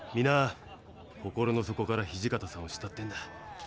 皆心の底から土方さんを慕ってんだ。